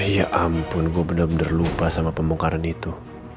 ya ampun gue bener bener lupa sama pemongkaran itu